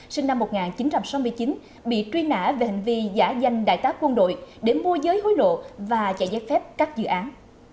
sinh năm một nghìn chín trăm sáu mươi chín bị truy nã về hành vi giả danh đại tá quân đội để mua giới hối lộ và chạy giấy phép các dự án